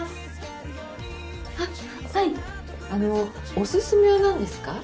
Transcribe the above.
おすすめは何ですか？